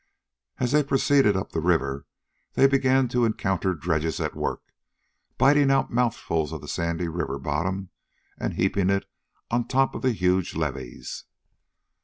As they proceeded up the river, they began to encounter dredges at work, biting out mouthfuls of the sandy river bottom and heaping it on top of the huge levees.